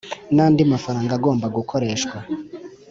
N andi mafaranga agomba gukoreshwa